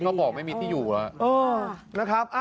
เขาบอกว่าไม่มีที่อยู่แล้ว